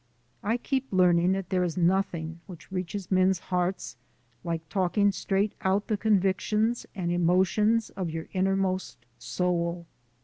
I keep learning that there is nothing which reaches men's hearts like talking straight out the convictions and emotions of your innermost soul.